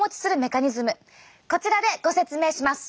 こちらでご説明します！